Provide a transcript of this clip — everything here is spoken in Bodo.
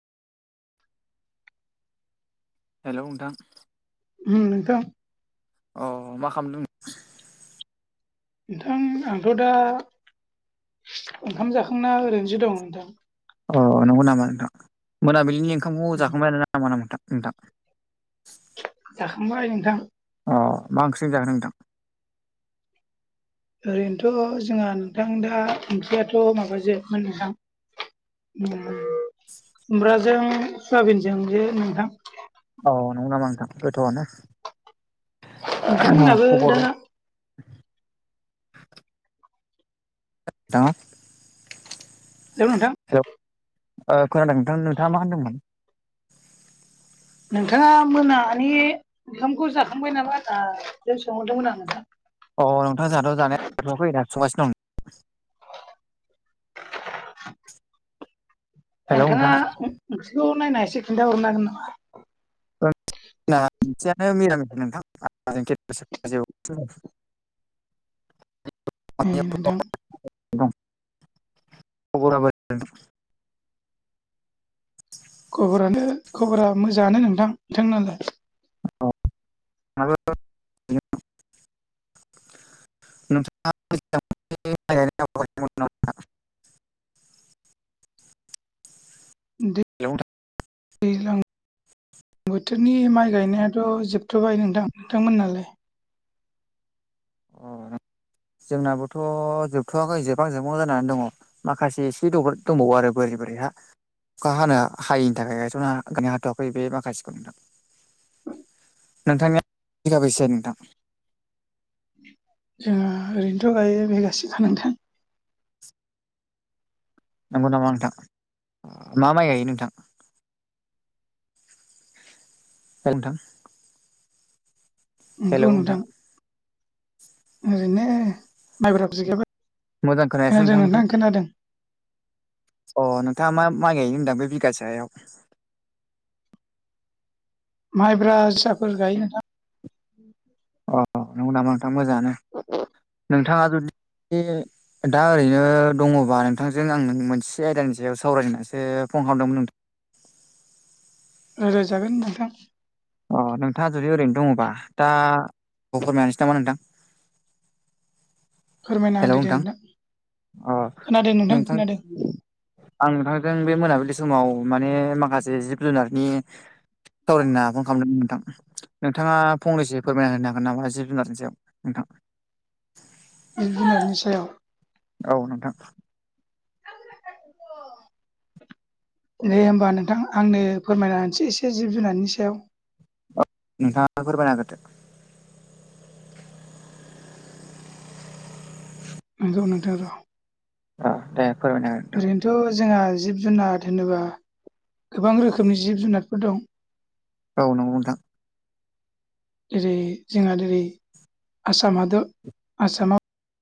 हेलौ नोंथां। उम नोंथां। अ मा खालामदों? नोंथां आंथ' दा ओंखाम जाखांना ओरैनोसो दं नोंथां दा। अ नंगौ नामा नोंथां मोनाबिलिनि ओंखामखौ उम जाखांबाय ना नामा ना नोंथां नोंथां? जाखांबाय नोंथां। अ मा ओंख्रिजों जाखो नोंथां? ओरैनोथ' जोंहा नोंथां दा ओंख्रियाथ' माबासोमोन नोंथां। उम खुमब्राजों सवाबिनजों जे नोंथां। औ नंगौ नामा नोंथां गोथावआनो। नोंथांमोनाबो खबर दा हेलौ [unintelligible] हेल' नोंथां। हेल' ओ खोनादों नोंथां नोंथाङा मा होनदोंमोन? नोंथाङा मोनानि ओंखामखौ जाखांबाय नामा होनदां? बेखौ सोंहरदोंमोन आं नोंथां। अ नोंथां जोंहाथ' जानाया जाथवाखै दासो संगासिनो दं। हेलौ नोंथां नोंथाङा ओं ओंख्रिखौ नायना एसे खिन्थाहरनो हागोन नामा? सेयानो मिरामिथ नोंथां [inaudible] [inaudible] ओ नोंथां। दं खबरा बोरै? खबरानो खबरा मोजाङानो नोंथां। नोंथांनालाय? औ आरो नोंथाङा [unintelligible] [unintelligible] दैज्लां बोथोरनि माइ गायनायाथ' जोबथ'बाय नोंथां। नोंथांमोननालाय? जोंनाबोथ' जोबथ'वाखै जोबहां जोबनांगौ जानानै दङ। माखासे एसे द दंबावो आरो बोरि बोरि हा। अखा हानो हायिनि थाखाय गायथ'नो ह ग हाथ'वाखै बे माखासेखौ नोंथां। नोंथांनिया बिगाबैसे नोंथां। जोङो ओरैनोथ' गायो बिगासेखा नोंथां। नंगौ नामा नोंथां। मा माइ गायो नोंथां? गायो नोंथां नंगौ नोंथां। ओरैनो माइब्रा [unintelligible] मोजां खोनायासै खोनादों नोंथांनिखौ नोंथां खोनादों। अ नोंथाङा मा माइ गायनो होनदां बे बिगासेायाव माइब्रा जोसाफोर गायो नोंथां अ नंगौ नामा नोंथां मोजाङानो नोंथाङा जुदि दा ओरैनो दङबा नोंथांजों आं मोनसे आयदानि सायाव सावरायनानैसो फन खालामदोंमोन नों राय्लायजागोन नोंथां अ नोंथाङा जुदि ओरैनो दङबा दा आंफोरमायनोसै नामा नोंथां फोरमायना हेल' होदो दे नोंथां अ खोनादों नोंथां खोनादों आं नोंथांजों बे मोनाबिलि समाव माने माखासे जिब जुनारनि सावरायनो होन्ना फन खालामदोंमोन नोंथां नोंथाङा फंनैसो फोरमायना होनो हागोन नामा जिब जुनारनि सायाव नोंथाङा इन्जिनियारनि सायाव औ नोंथां दे होमबा नोंथां आंनो फोरमायना होनसै एसे जिब जुनारनि सायाव औ नोंथाङा फोरमायना होगोरदो नंगौ नोंथां औ ओ दे फोरमायना हो नोंथां थ' जोंहा जिब जुनार होनोबा गोबां रोखोमनि जिब जुनारफोर दं औ नंगौ नथां जेरै जोंहा जेरै आसाम' आसामाव